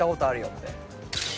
って。